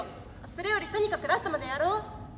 それよりとにかくラストまでやろう。